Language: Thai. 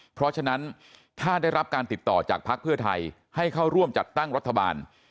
เพราะฉะนั้นถ้าได้รับการติดต่อจากภักดิ์เพื่อไทยให้เข้าร่วมจัดตั้งรัฐบาล